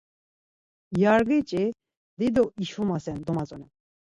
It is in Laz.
Yargiç̌i dido işumasen domatzonen.